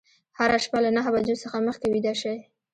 هره شپه له نهه بجو څخه مخکې ویده شئ.